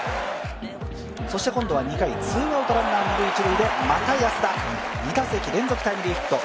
そして今度は２回、ツーアウトランナー一塁でまた安田、２打席連続タイムリーヒット。